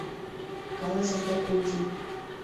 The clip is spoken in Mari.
— каласыш Дакунти.